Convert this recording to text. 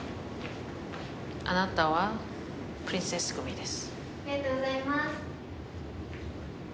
あなたはプリンセス組です。